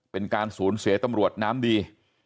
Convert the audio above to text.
เป็นการสูญเสียตำรวจน้ำดี